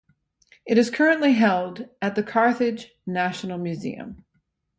It is currently held at the Carthage National Museum.